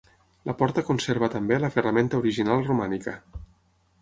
La porta conserva també la ferramenta original romànica.